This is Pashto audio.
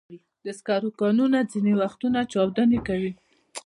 د سکرو کانونه ځینې وختونه چاودنې کوي.